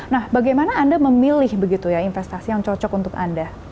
nah bagaimana anda memilih begitu ya investasi yang cocok untuk anda